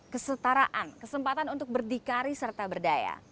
kesetaraan kesempatan untuk berdikari serta berdaya